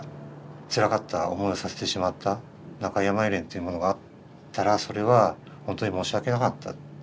つらかった思いをさせてしまった中井やまゆり園というものがあったらそれは本当に申し訳なかった。